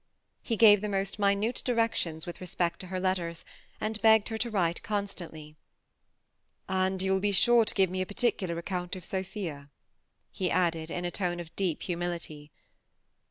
He gave the most minute directions with re spect to her letters, and begged her to write constantly ;^ and you will be sure to give me a particular account of Sophia," he added, in a tone of deep humility.